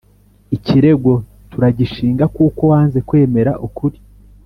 Ikirego turagishinga kuko wanze kwemera ukuri